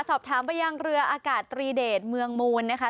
สอบถามไปยังเรืออากาศตรีเดชเมืองมูลนะคะ